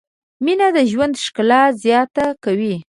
مینه د ژوند ښکلا زیاته کوي.